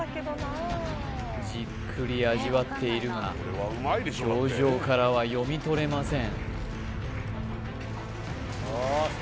じっくり味わっているが表情からは読み取れません